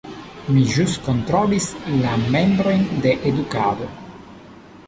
Mi ĵus kontrolis la membrojn de edukado.